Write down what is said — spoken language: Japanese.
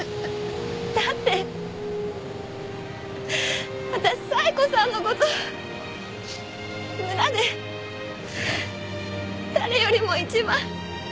だって私冴子さんの事村で誰よりも一番。